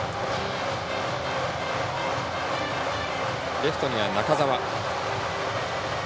レフトには中沢。